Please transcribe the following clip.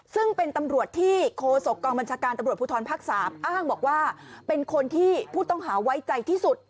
ซึ่งเป็นตำรวจที่โคศกองบัญชาการตำรวจภูทรภาค๓อ้างบอกว่าเป็นคนที่ผู้ต้องหาไว้ใจที่สุด